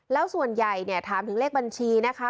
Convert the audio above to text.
แล้วส่วนใหญ่เนี่ยถามถึงเลขบัญชีนะคะ